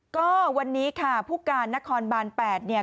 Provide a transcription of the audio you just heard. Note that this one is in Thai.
ก็วันนี้ค่ะผู้การนครบาน๘เนี่ย